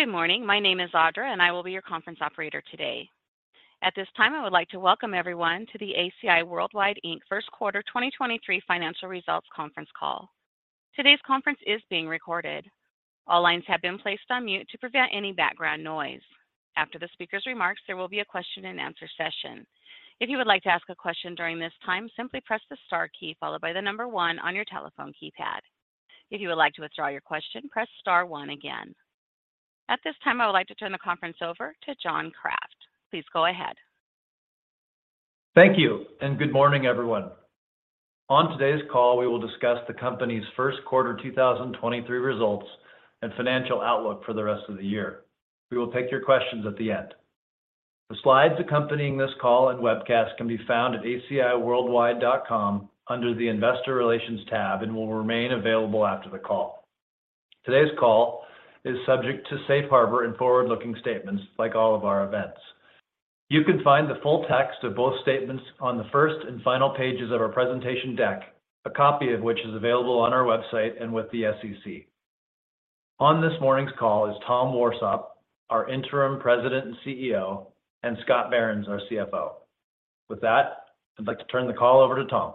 Good morning. My name is Audra. I will be your conference operator today. At this time, I would like to welcome everyone to the ACI Worldwide Inc. first quarter 2023 financial results conference call. Today's conference is being recorded. All lines have been placed on mute to prevent any background noise. After the speaker's remarks, there will be a question and answer session. If you would like to ask a question during this time, simply press the star key followed by the number one on your telephone keypad. If you would like to withdraw your question, press star one again. At this time, I would like to turn the conference over to John Kraft. Please go ahead. Thank you, and good morning, everyone. On today's call, we will discuss the company's first quarter 2023 results and financial outlook for the rest of the year. We will take your questions at the end. The slides accompanying this call and webcast can be found at aciworldwide.com under the Investor Relations tab and will remain available after the call. Today's call is subject to Safe Harbor and forward-looking statements like all of our events. You can find the full text of both statements on the first and final pages of our presentation deck, a copy of which is available on our website and with the SEC. On this morning's call is Tom Warsop, our Interim President and CEO, and Scott Behrens, our CFO. With that, I'd like to turn the call over to Tom.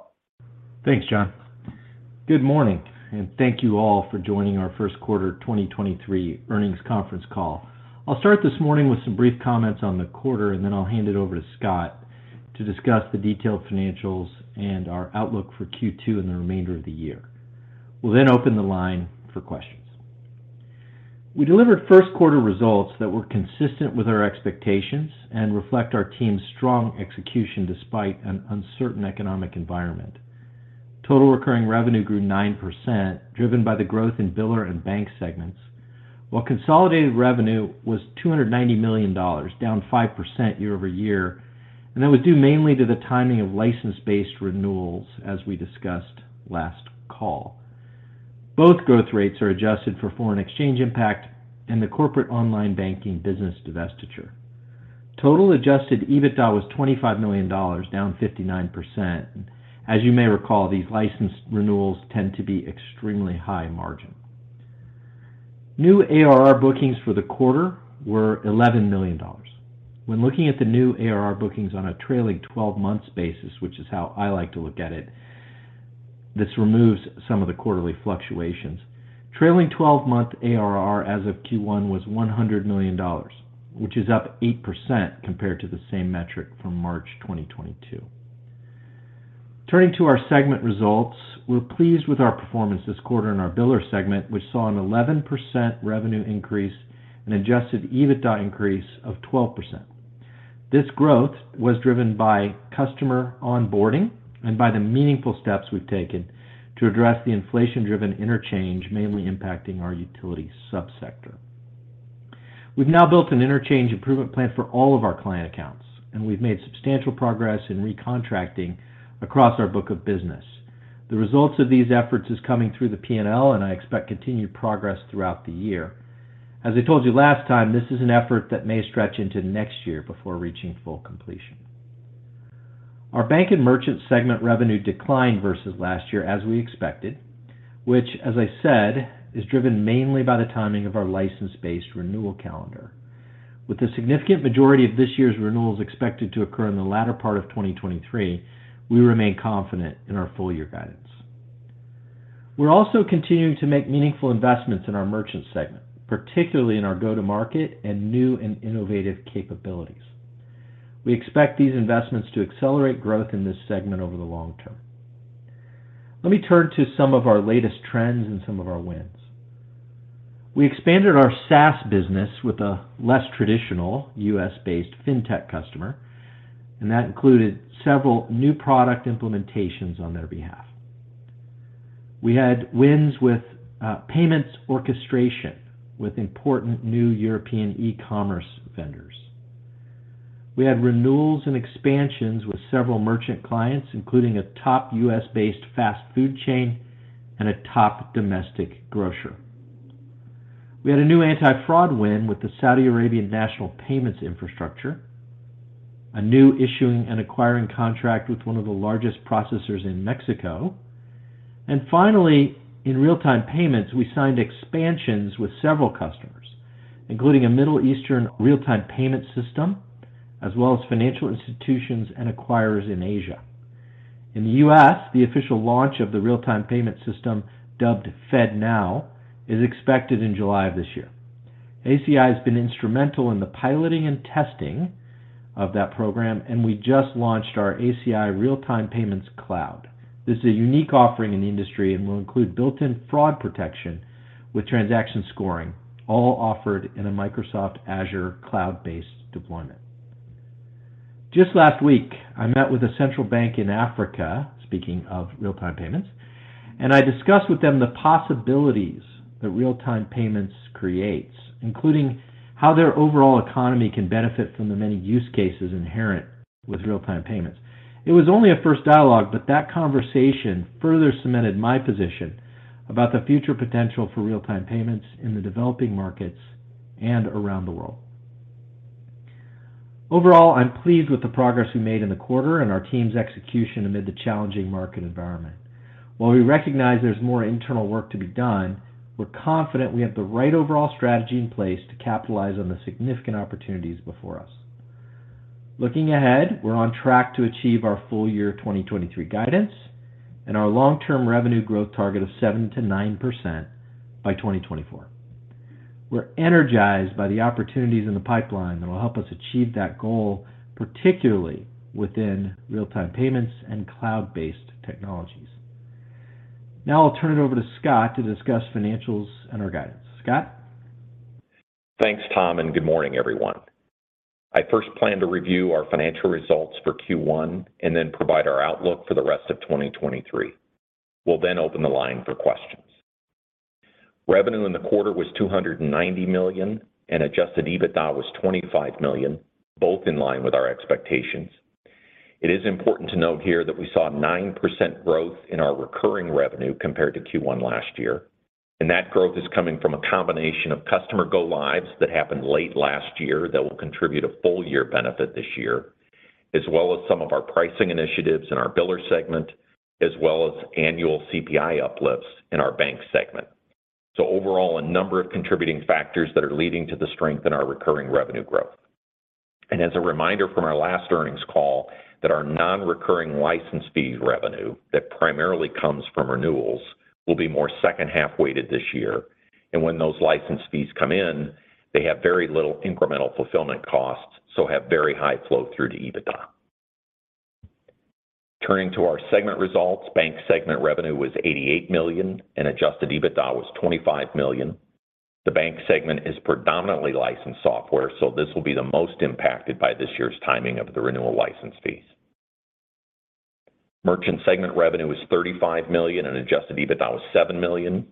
Thanks, John. Good morning. Thank you all for joining our first quarter 2023 earnings conference call. I'll start this morning with some brief comments on the quarter, and then I'll hand it over to Scott to discuss the detailed financials and our outlook for Q2 and the remainder of the year. We'll open the line for questions. We delivered first quarter results that were consistent with our expectations and reflect our team's strong execution despite an uncertain economic environment. Total recurring revenue grew 9%, driven by the growth in biller and bank segments, while consolidated revenue was $290 million, down 5% year-over-year, and that was due mainly to the timing of license-based renewals as we discussed last call. Both growth rates are adjusted for foreign exchange impact and the corporate online banking business divestiture. Total adjusted EBITDA was $25 million, down 59%. As you may recall, these license renewals tend to be extremely high margin. New ARR bookings for the quarter were $11 million. When looking at the new ARR bookings on a trailing twelve months basis, which is how I like to look at it, this removes some of the quarterly fluctuations. Trailing 12-month ARR as of Q1 was $100 million, which is up 8% compared to the same metric from March 2022. Turning to our segment results, we're pleased with our performance this quarter in our biller segment, which saw an 11% revenue increase and adjusted EBITDA increase of 12%. This growth was driven by customer onboarding and by the meaningful steps we've taken to address the inflation-driven interchange mainly impacting our utility subsector. We've now built an interchange improvement plan for all of our client accounts, and we've made substantial progress in recontracting across our book of business. The results of these efforts is coming through the P&L. I expect continued progress throughout the year. As I told you last time, this is an effort that may stretch into next year before reaching full completion. Our bank and merchant segment revenue declined versus last year as we expected, which as I said, is driven mainly by the timing of our license-based renewal calendar. With a significant majority of this year's renewals expected to occur in the latter part of 2023, we remain confident in our full year guidance. We're also continuing to make meaningful investments in our merchant segment, particularly in our go-to-market and new and innovative capabilities. We expect these investments to accelerate growth in this segment over the long term. Let me turn to some of our latest trends and some of our wins. We expanded our SaaS business with a less traditional U.S. based fintech customer, and that included several new product implementations on their behalf. We had wins with payments orchestration with important new European e-commerce vendors. We had renewals and expansions with several merchant clients, including a top U.S. based fast food chain and a top domestic grocer. We had a new anti-fraud win with the Saudi Arabian National Payments Infrastructure, a new issuing and acquiring contract with one of the largest processors in Mexico. Finally, in real-time payments, we signed expansions with several customers, including a Middle Eastern real-time payment system, as well as financial institutions and acquirers in Asia. In the U.S., the official launch of the real-time payment system dubbed FedNow is expected in July of this year. ACI has been instrumental in the piloting and testing of that program. We just launched our ACI Real-Time Payments Cloud. This is a unique offering in the industry and will include built-in fraud protection with transaction scoring, all offered in a Microsoft Azure cloud-based deployment. Just last week, I met with a central bank in Africa, speaking of real-time payments, and I discussed with them the possibilities that real-time payments creates, including how their overall economy can benefit from the many use cases inherent with real-time payments. It was only a first dialogue, but that conversation further cemented my position about the future potential for real-time payments in the developing markets and around the world. Overall, I'm pleased with the progress we made in the quarter and our team's execution amid the challenging market environment. While we recognize there's more internal work to be done, we're confident we have the right overall strategy in place to capitalize on the significant opportunities before us. Looking ahead, we're on track to achieve our full year 2023 guidance and our long-term revenue growth target of 7% to 9% by 2024. We're energized by the opportunities in the pipeline that will help us achieve that goal, particularly within real-time payments and cloud-based technologies. Now I'll turn it over to Scott to discuss financials and our guidance. Scott? Thanks, Tom, and good morning, everyone. I first plan to review our financial results for Q1 and then provide our outlook for the rest of 2023. We'll open the line for questions. Revenue in the quarter was $290 million, and adjusted EBITDA was $25 million, both in line with our expectations. It is important to note here that we saw 9% growth in our recurring revenue compared to Q1 last year. That growth is coming from a combination of customer go lives that happened late last year that will contribute a full year benefit this year, as well as some of our pricing initiatives in our biller segment, as well as annual CPI uplifts in our bank segment. Overall, a number of contributing factors that are leading to the strength in our recurring revenue growth. As a reminder from our last earnings call that our non-recurring license fees revenue that primarily comes from renewals will be more second-half weighted this year. When those license fees come in, they have very little incremental fulfillment costs, so have very high flow through to EBITDA. Turning to our segment results, Bank segment revenue was $88 million and adjusted EBITDA was $25 million. The Bank segment is predominantly licensed software, so this will be the most impacted by this year's timing of the renewal license fees. Merchant segment revenue was $35 million and adjusted EBITDA was $7 million.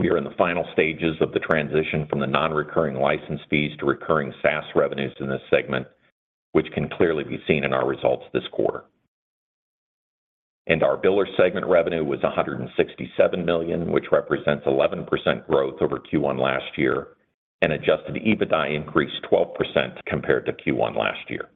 We are in the final stages of the transition from the non-recurring license fees to recurring SaaS revenues in this segment, which can clearly be seen in our results this quarter. Our biller segment revenue was $167 million, which represents 11% growth over Q1 last year. Adjusted EBITDA increased 12% compared to Q1 last year.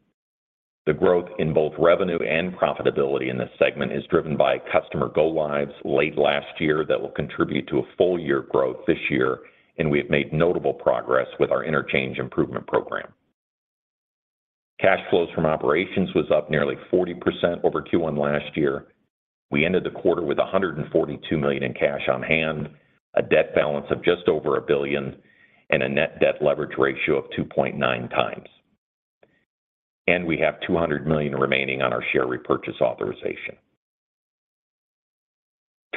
The growth in both revenue and profitability in this segment is driven by customer go lives late last year that will contribute to a full-year growth this year. We have made notable progress with our interchange improvement program. Cash flows from operations was up nearly 40% over Q1 last year. We ended the quarter with $142 million in cash on hand, a debt balance of just over $1 billion, and a net debt leverage ratio of 2.9x. We have $200 million remaining on our share repurchase authorization.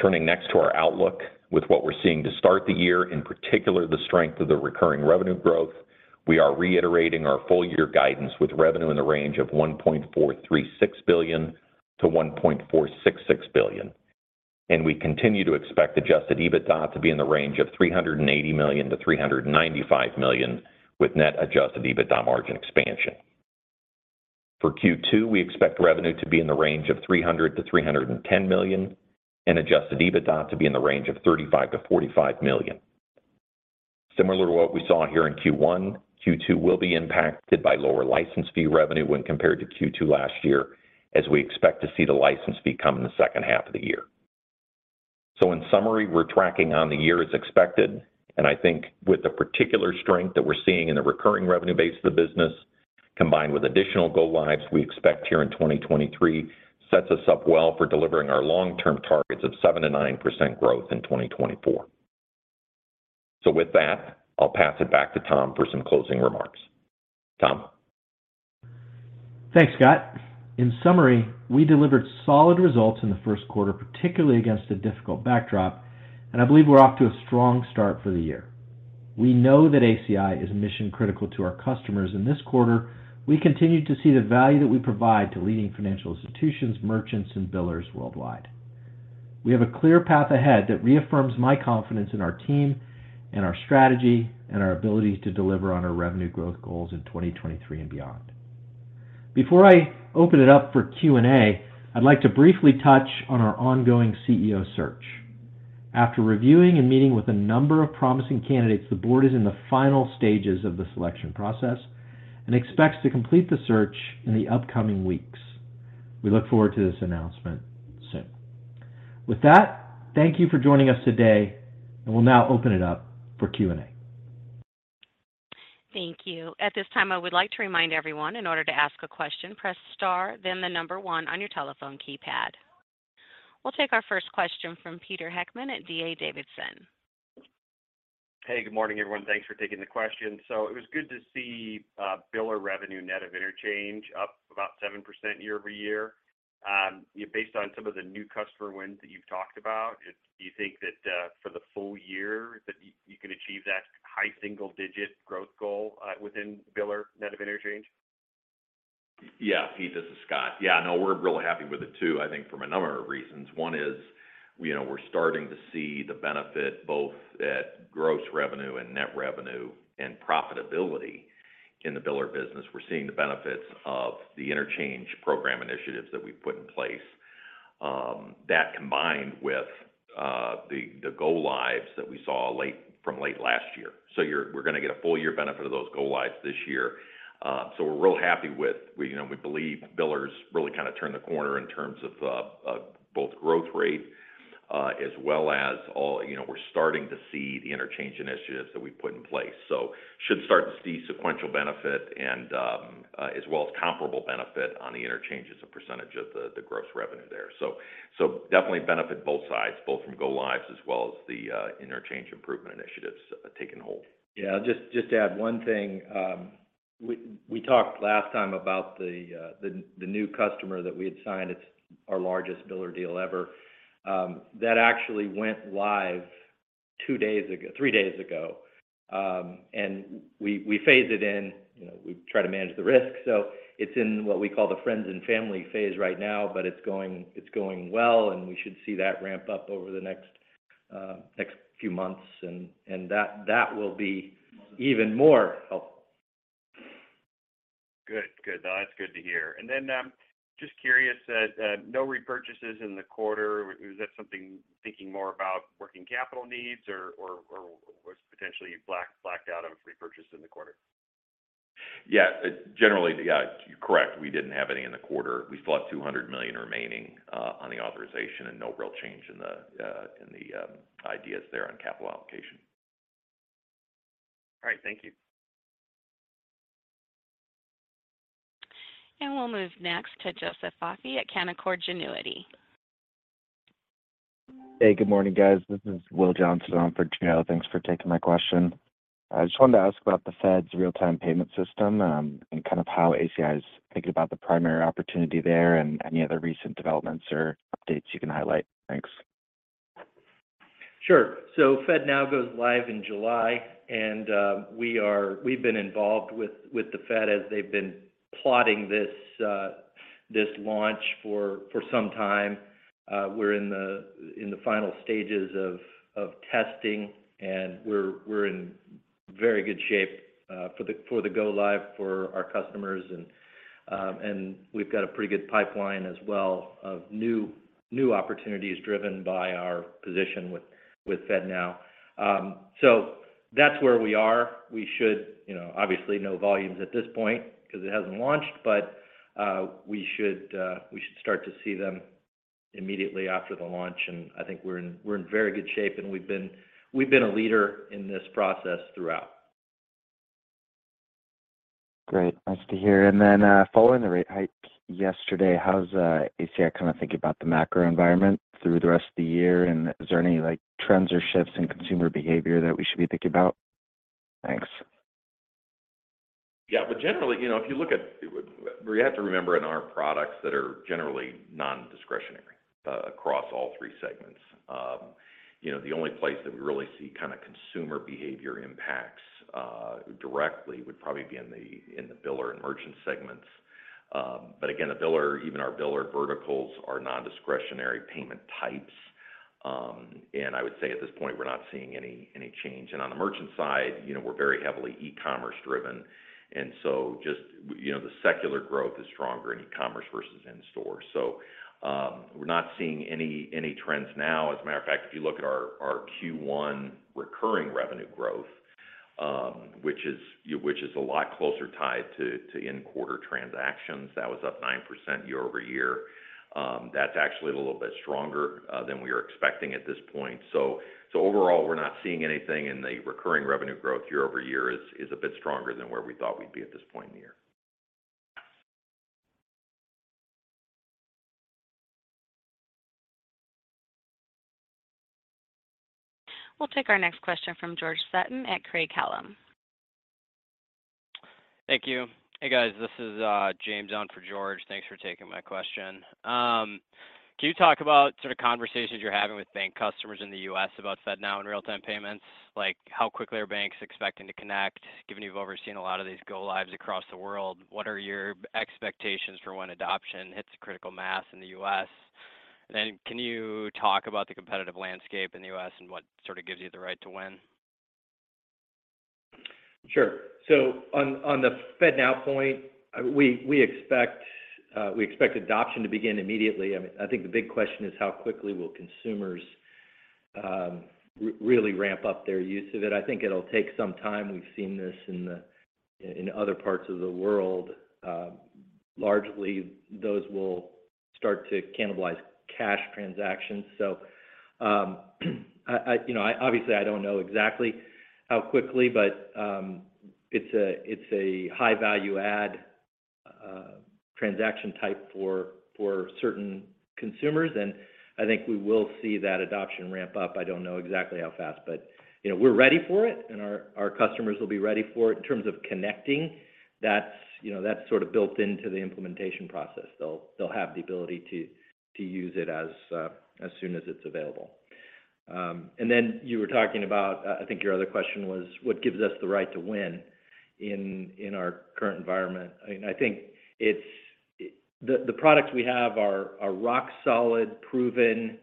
Turning next to our outlook with what we're seeing to start the year, in particular the strength of the recurring revenue growth, we are reiterating our full year guidance with revenue in the range of $1.436 billion-$1.466 billion. We continue to expect adjusted EBITDA to be in the range of $380 million-$395 million with net adjusted EBITDA margin expansion. For Q2, we expect revenue to be in the range of $300 million-$310 million and adjusted EBITDA to be in the range of $35 million-$45 million. Similar to what we saw here in Q1, Q2 will be impacted by lower license fee revenue when compared to Q2 last year as we expect to see the license fee come in the second half of the year. In summary, we're tracking on the year as expected, I think with the particular strength that we're seeing in the recurring revenue base of the business combined with additional go lives we expect here in 2023 sets us up well for delivering our long-term targets of 7% to 9% growth in 2024. With that, I'll pass it back to Tom for some closing remarks. Tom? Thanks, Scott. In summary, we delivered solid results in the first quarter, particularly against a difficult backdrop, and I believe we're off to a strong start for the year. We know that ACI is mission critical to our customers, and this quarter we continued to see the value that we provide to leading financial institutions, merchants, and billers worldwide. We have a clear path ahead that reaffirms my confidence in our team and our strategy and our ability to deliver on our revenue growth goals in 2023 and beyond. Before I open it up for Q&A, I'd like to briefly touch on our ongoing CEO search. After reviewing and meeting with a number of promising candidates, the board is in the final stages of the selection process and expects to complete the search in the upcoming weeks. We look forward to this announcement soon. With that, thank you for joining us today, and we'll now open it up for Q&A. Thank you. At this time, I would like to remind everyone in order to ask a question, press star, then the number one on your telephone keypad. We'll take our first question from Peter Heckmann at D.A. Davidson. Hey, good morning, everyone. Thanks for taking the question. It was good to see, biller revenue net of interchange up about 7% year-over-year. Based on some of the new customer wins that you've talked about, do you think that for the full year that you can achieve that high single digit growth goal within biller net of interchange? Peter, this is Scott. No, we're really happy with it too, I think from a number of reasons. One is, you know, we're starting to see the benefit both at gross revenue and net revenue and profitability in the biller business. We're seeing the benefits of the interchange program initiatives that we've put in place that combined with the go lives that we saw from late last year. We're gonna get a full year benefit of those go lives this year. We're real happy with. You know, we believe billers really kinda turned the corner in terms of both growth rate as well as all, you know, we're starting to see the interchange initiatives that we put in place. Should start to see sequential benefit and as well as comparable benefit on the interchanges as a percentage of the gross revenue there. Definitely benefit both sides, both from go lives as well as the interchange improvement initiatives taking hold. Yeah. I'll just add one thing. We talked last time about the new customer that we had signed. It's our largest biller deal ever. That actually went live two days ago, three days ago. We phase it in, you know, we try to manage the risk. It's in what we call the friends and family phase right now, but it's going well, and we should see that ramp up over the next few months, that will be even more help. Good. No, that's good to hear. Just curious, no repurchases in the quarter, is that something thinking more about working capital needs or was potentially blacked out of repurchase in the quarter? Generally, yeah, correct. We didn't have any in the quarter. We still have $200 million remaining on the authorization and no real change in the in the ideas there on capital allocation. All right. Thank you. We'll move next to Joseph Fahey at Canaccord Genuity. Hey, good morning, guys. This is Will Johnston on for Joe. Thanks for taking my question. I just wanted to ask about the Fed's real-time payment system, and kind of how ACI is thinking about the primary opportunity there and any other recent developments or updates you can highlight? Thanks. Sure. FedNow goes live in July, and we've been involved with the Fed as they've been plotting this launch for some time. We're in the final stages of testing, and we're in very good shape for the go live for our customers. We've got a pretty good pipeline as well of new opportunities driven by our position with FedNow. That's where we are. We should, you know, obviously no volumes at this point because it hasn't launched, but we should start to see them immediately after the launch. I think we're in very good shape, and we've been a leader in this process throughout. Great. Nice to hear. Then, following the rate hike yesterday, how does ACI kinda think about the macro environment through the rest of the year? Is there any, like, trends or shifts in consumer behavior that we should be thinking about? Thanks. Yeah. Generally, you know, if you look at, we have to remember in our products that are generally nondiscretionary across all three segments. You know, the only place that we really see kinda consumer behavior impacts directly would probably be in the biller and merchant segments. Again, a biller, even our biller verticals are nondiscretionary payment types. I would say at this point, we're not seeing any change. On the merchant side, you know, we're very heavily e-commerce driven, just, you know, the secular growth is stronger in e-commerce versus in store. We're not seeing any trends now. As a matter of fact, if you look at our Q1 recurring revenue growth, which is a lot closer tied to in-quarter transactions, that was up 9% year-over-year. That's actually a little bit stronger than we were expecting at this point. Overall, we're not seeing anything in the recurring revenue growth year-over-year is a bit stronger than where we thought we'd be at this point in the year. We'll take our next question from George Sutton at Craig-Hallum. Thank you. Hey, guys. This is James on for George. Thanks for taking my question. Can you talk about sort of conversations you're having with bank customers in the U.S. about FedNow and real-time payments? Like, how quickly are banks expecting to connect? Given you've overseen a lot of these go lives across the world, what are your expectations for when adoption hits critical mass in the U.S.? Can you talk about the competitive landscape in the U.S. and what sort of gives you the right to win? Sure. On the FedNow point, we expect adoption to begin immediately. I mean, I think the big question is how quickly will consumers really ramp up their use of it? I think it'll take some time. We've seen this in other parts of the world. Largely, those will start to cannibalize cash transactions. I, you know, obviously, I don't know exactly how quickly, but it's a high value add transaction type for certain consumers, and I think we will see that adoption ramp up. I don't know exactly how fast, but, you know, we're ready for it, and our customers will be ready for it. In terms of connecting, that's, you know, that's sort of built into the implementation process. They'll have the ability to use it as soon as it's available. Then you were talking about I think your other question was what gives us the right to win in our current environment. I mean, I think it's. The products we have are rock solid, proven.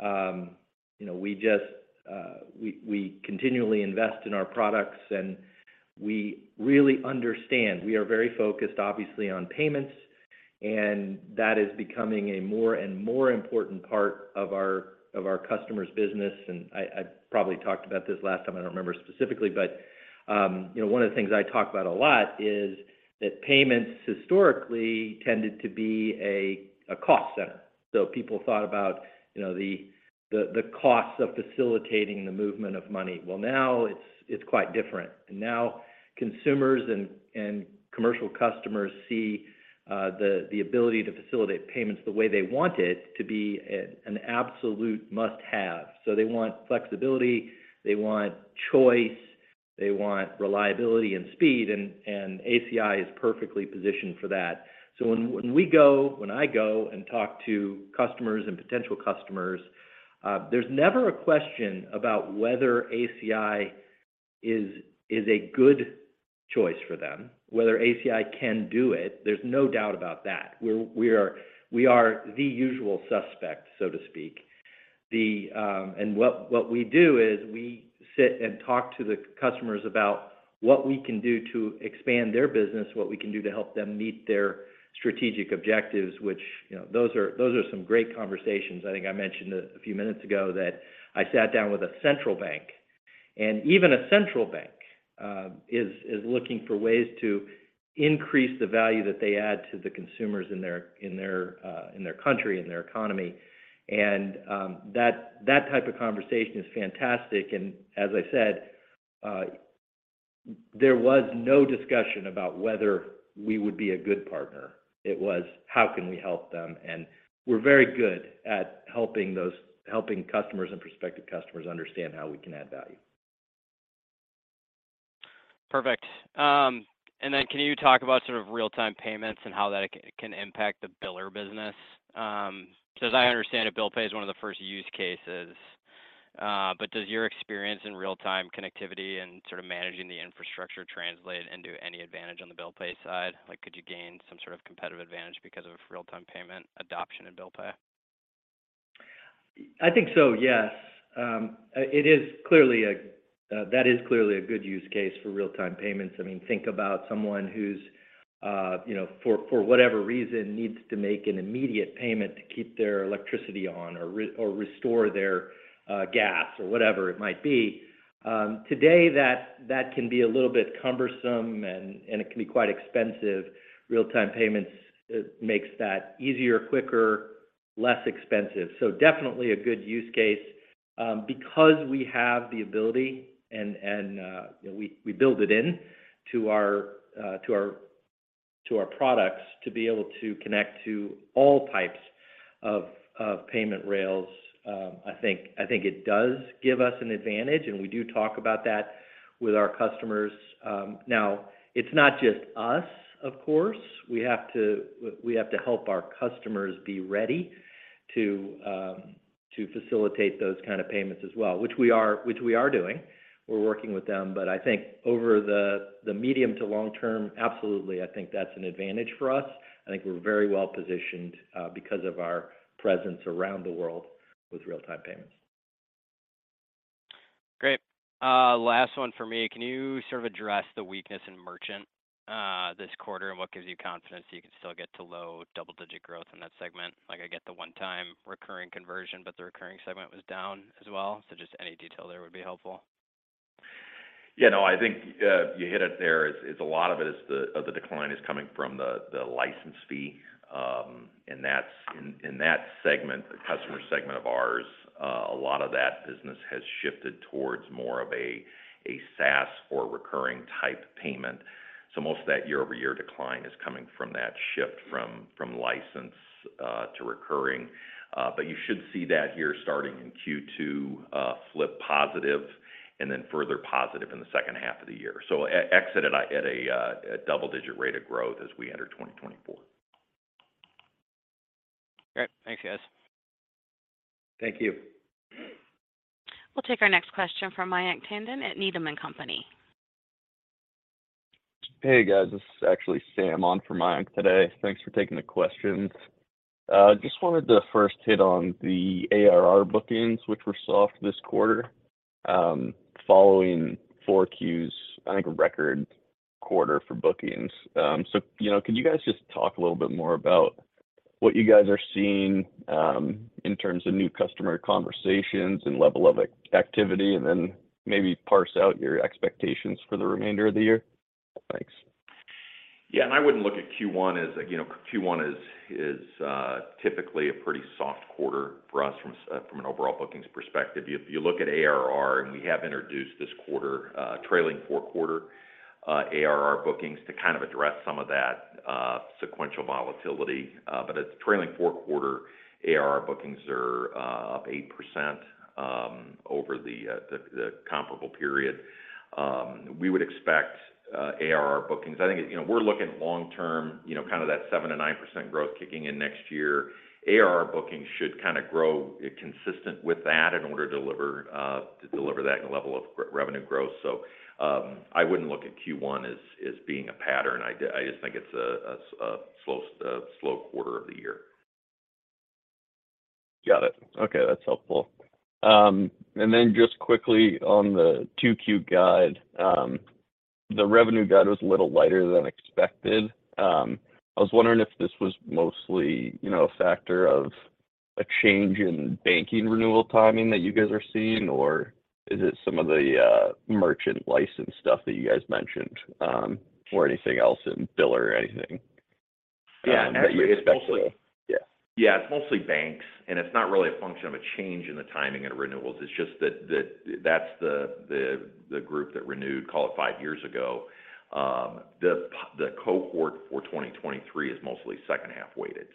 You know, we just, we continually invest in our products and we really understand. We are very focused, obviously, on payments, and that is becoming a more and more important part of our customers' business. I probably talked about this last time, I don't remember specifically, but, you know, one of the things I talk about a lot is that payments historically tended to be a cost center. People thought about, you know, the costs of facilitating the movement of money. Now it's quite different. Now consumers and commercial customers see the ability to facilitate payments the way they want it to be an absolute must-have. They want flexibility, they want choice, they want reliability and speed and ACI is perfectly positioned for that. When we go, when I go and talk to customers and potential customers, there's never a question about whether ACI is a good choice for them, whether ACI can do it. There's no doubt about that. We are the usual suspect, so to speak. What we do is we sit and talk to the customers about what we can do to expand their business, what we can do to help them meet their strategic objectives, which, you know, those are some great conversations. I think I mentioned a few minutes ago that I sat down with a central bank, and even a central bank is looking for ways to increase the value that they add to the consumers in their country and their economy. That type of conversation is fantastic. As I said, there was no discussion about whether we would be a good partner. It was, how can we help them? And we're very good at helping customers and prospective customers understand how we can add value. Perfect. Can you talk about sort of real-time payments and how that can impact the biller business? As I understand it, bill pay is one of the first use cases. Does your experience in real-time connectivity and sort of managing the infrastructure translate into any advantage on the bill pay side? Like, could you gain some sort of competitive advantage because of real-time payment adoption in bill pay? I think so, yes. It is clearly a... that is clearly a good use case for real-time payments. I mean, think about someone who's, you know, for whatever reason, needs to make an immediate payment to keep their electricity on or restore their gas or whatever it might be. Today, that can be a little bit cumbersome and it can be quite expensive. Real-time payments makes that easier, quicker, less expensive. Definitely a good use case. Because we have the ability and, you know, we build it in to our products to be able to connect to all types of payment rails, I think it does give us an advantage, and we do talk about that with our customers. Now, it's not just us, of course. We have to help our customers be ready to facilitate those kind of payments as well, which we are doing. We're working with them. I think over the medium to long term, absolutely, I think that's an advantage for us. I think we're very well-positioned because of our presence around the world with real-time payments. Great. Last one for me. Can you sort of address the weakness in Merchant this quarter, and what gives you confidence you can still get to low double-digit growth in that segment? Like, I get the one-time recurring conversion, but the recurring segment was down as well. Just any detail there would be helpful. Yeah, no, I think you hit it there is a lot of it is the decline is coming from the license fee. That's in that segment, customer segment of ours, a lot of that business has shifted towards more of a SaaS or recurring type payment. Most of that year-over-year decline is coming from that shift from license to recurring. You should see that here starting in Q2 flip positive and then further positive in the second half of the year. Exited at a double-digit rate of growth as we enter 2024. Great. Thanks, guys. Thank you. We'll take our next question from Mayank Tandon at Needham & Company. Hey, guys. This is actually Sam on for Mayank today. Thanks for taking the questions. Just wanted to first hit on the ARR bookings, which were soft this quarter, following four Qs, I think a record quarter for bookings. You know, could you guys just talk a little bit more about what you guys are seeing, in terms of new customer conversations and level of activity? Then maybe parse out your expectations for the remainder of the year. Thanks. Yeah, I wouldn't look at Q1 as like. You know, Q1 is typically a pretty soft quarter for us from an overall bookings perspective. If you look at ARR, we have introduced this quarter, trailing four quarter ARR bookings to kind of address some of that sequential volatility. Its trailing four quarter ARR bookings are up 8% over the comparable period. We would expect ARR bookings. I think, you know, we're looking long term, you know, kind of that 7% to 9% growth kicking in next year. ARR bookings should kind of grow consistent with that in order to deliver that level of revenue growth. I wouldn't look at Q1 as being a pattern. I just think it's a slow quarter of the year. Got it. Okay, that's helpful. Just quickly on the 2Q guide, the revenue guide was a little lighter than expected. I was wondering if this was mostly, you know, a factor of a change in banking renewal timing that you guys are seeing, or is it some of the merchant license stuff that you guys mentioned, or anything else in bill or anything that you expected? Yeah. It's mostly. Yeah. It's mostly banks. It's not really a function of a change in the timing of renewals. It's just that that's the group that renewed, call it five years ago. The cohort for 2023 is mostly second half weighted.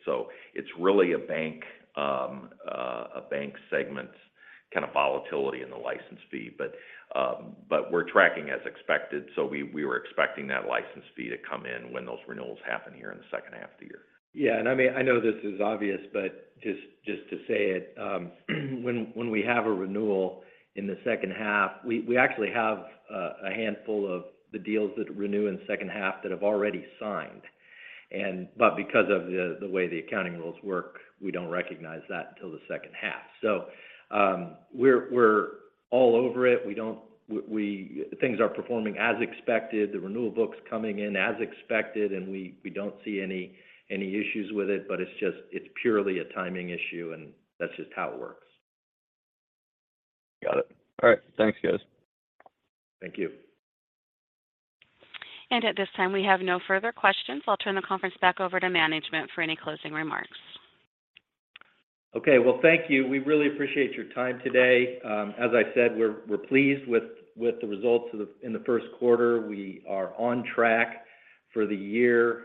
It's really a bank segment kind of volatility in the license fee. We're tracking as expected, we were expecting that license fee to come in when those renewals happen here in the second half of the year. I mean, I know this is obvious, but just to say it, when we have a renewal in the second half, we actually have a handful of the deals that renew in second half that have already signed. Because of the way the accounting rules work, we don't recognize that until the second half. We're all over it. Things are performing as expected. The renewal book's coming in as expected, and we don't see any issues with it, but it's just, it's purely a timing issue, and that's just how it works. Got it. All right. Thanks, guys. Thank you. At this time, we have no further questions. I'll turn the conference back over to management for any closing remarks. Okay. Well, thank you. We really appreciate your time today. As I said, we're pleased with the results in the first quarter. We are on track for the year.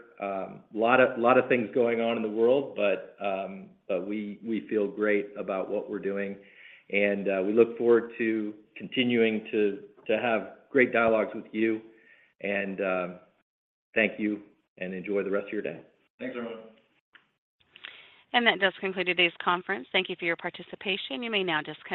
Lot of things going on in the world, but we feel great about what we're doing. We look forward to continuing to have great dialogues with you. Thank you, and enjoy the rest of your day. Thanks, everyone. That does conclude today's conference. Thank you for your participation. You may now disconnect.